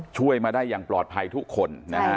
ช่วยมาได้อย่างปลอดภัยทุกคนนะฮะ